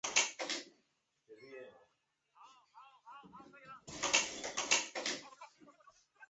曾任福建漳州镇总兵。